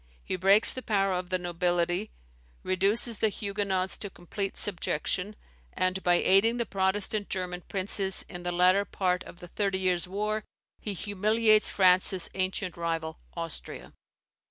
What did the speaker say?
He breaks the power of the nobility, reduces the Huguenots to complete subjection; and by aiding the Protestant German princes in the latter part of the Thirty Years' War, he humiliates France's ancient rival, Austria.